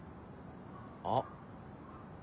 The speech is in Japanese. あっ。